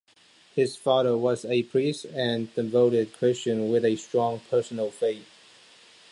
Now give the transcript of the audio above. His father was a priest and a devoted Christian with a strong personal faith.